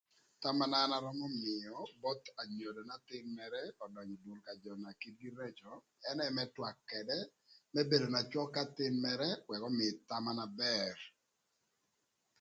Thama na na an arömö mïö both anyodo n'athïn mërë ödönyö ï kin jö na kitegï rëcö ködë më bedo na cwök k'athïn mërë ëk ömïï thama na bër.